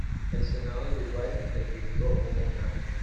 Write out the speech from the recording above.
El Senado de Uruguay le tributó un homenaje.